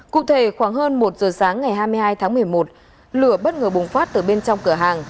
cụ thể khoảng hơn một giờ sáng ngày hai mươi hai tháng một mươi một lửa bất ngờ bùng phát từ bên trong cửa hàng